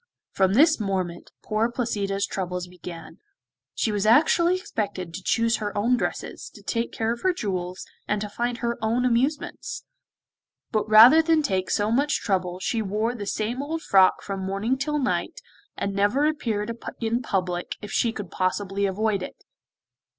From this moment poor Placida's troubles began! She was actually expected to choose her own dresses, to take care of her jewels, and to find her own amusements; but rather than take so much trouble she wore the same old frock from morning till night, and never appeared in public if she could possibly avoid it.